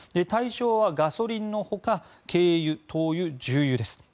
対象はガソリンのほか軽油、灯油、重油です。